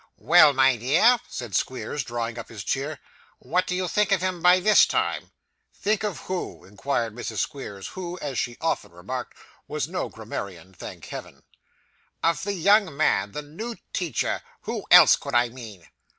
'Well, my dear,' said Squeers, drawing up his chair, 'what do you think of him by this time?' 'Think of who?' inquired Mrs. Squeers; who (as she often remarked) was no grammarian, thank Heaven. 'Of the young man the new teacher who else could I mean?